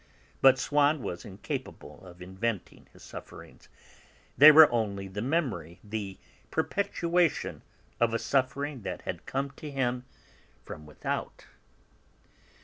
But Swann was incapable of inventing his sufferings. They were only the memory, the perpetuation of a suffering that had come to him from without.